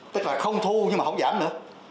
tức là không thu nhưng mà không giảm nữa